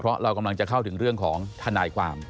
เพราะเรากำลังจะเข้าถึงเรื่องของทนายความ